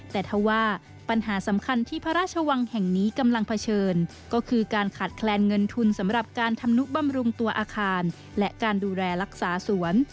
แต่ถ้าว่าปัญหาสำคัญที่พระราชวังแห่งนี้กำลังเผชิญก็คือการขาดแคลนเงินทุนสำหรับการทำนุบำรุงตัวอาคารและการดูแลรักษาสวน